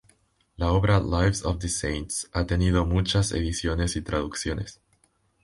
La obra "Lives of the Saints" ha tenido muchas ediciones y traducciones.